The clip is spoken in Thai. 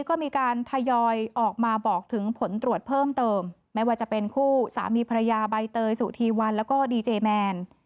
ก็มีการทยอยออกมาบอกถึงผลตรวจเพิ่มเติมไม่ว่าจะเป็นคู่สามีภรรยาใบเตยสุธีวันแล้วก็ดีเจแมน